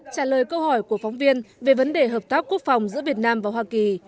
trả lời câu hỏi của phóng viên về vấn đề hợp tác quốc phòng giữa việt nam và hoa kỳ